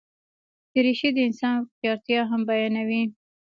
دریشي د انسان هوښیارتیا هم بیانوي.